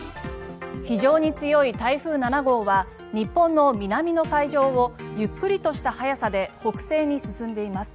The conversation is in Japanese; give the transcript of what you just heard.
非常に強い台風７号は日本の南の海上をゆっくりとした速さで北西に進んでいます。